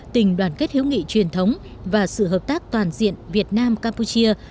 tình đoàn kết hiếu nghị truyền thống và sự hợp tác toàn diện việt nam campuchia